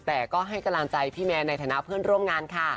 แต่ก็ให้กำลังใจพี่แมนในฐานะเพื่อนร่วมงานค่ะ